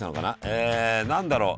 え何だろう？